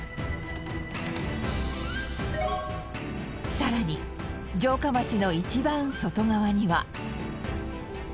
更に城下町の一番外側には。